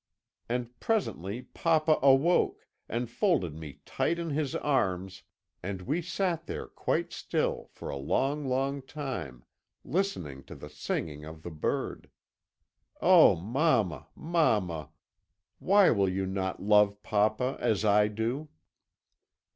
And presently papa awoke, and folded me tight in his arms, and we sat there quite still, for a long, long time, listening to the singing of the bird. Oh, mamma, mamma! why will you not love papa as I do?'